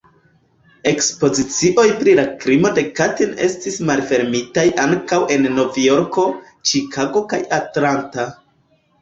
Ekspozicioj pri la krimo de Katin estis malfermitaj ankaŭ en Nov-Jorko, Ĉikago kaj Atlanta.